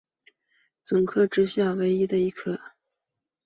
匙指虾科是匙指虾总科之下唯一的一个科。